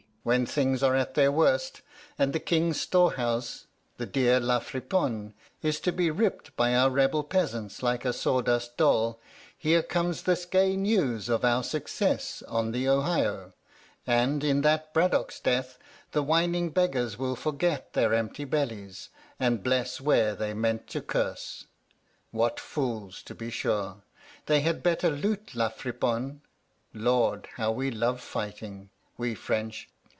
"When things are at their worst, and the King's storehouse, the dear La Friponne, is to be ripped by our rebel peasants like a sawdust doll, here comes this gay news of our success on the Ohio; and in that Braddock's death the whining beggars will forget their empty bellies, and bless where they meant to curse. What fools, to be sure! They had better loot La Friponne. Lord, how we love fighting, we French!